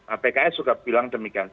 apks juga bilang demikian